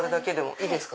いいですか？